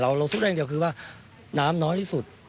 เราสู้ได้อย่างเดียวคือว่าน้ำน้อยที่สุด